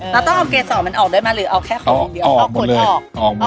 แล้วต้องเอาเกษรมันออกด้วยมั้ยหรือเอาแค่ขนเดียวเอาออกหมดเลยเอาขนออก